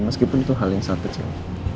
meskipun itu hal yang sangat kecil